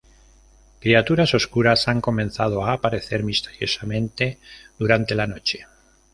Criaturas oscuras han comenzado a aparecer misteriosamente, durante la noche.